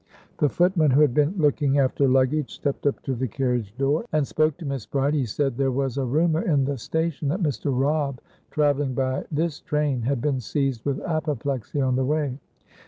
The footman, who had been looking after luggage, stepped up to the carriage door and spoke to Miss Bride. He said there was a rumour in the station that Mr. Robb, travelling by this train, had been seized with apoplexy on the way.